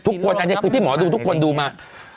อันนี้คือที่หมอดูทุกคนดูมา